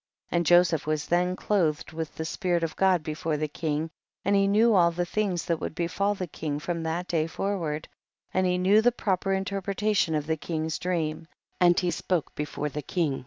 52. And Joseph was then clothed with the spirit of God before the king, and he knew all the things that would befall the king from that day forward, and he knew the proper interpretation of the king's dream, and he spoke before the king.